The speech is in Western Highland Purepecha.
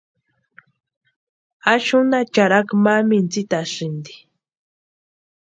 Axunha charhaku ma mintsitasïnti.